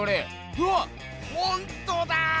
うわっほんとだ！